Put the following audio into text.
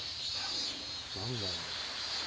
何だろう？